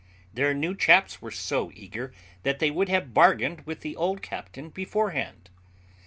Their new chaps were so eager, that they would have bargained with the old captain beforehand.